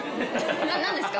何ですか？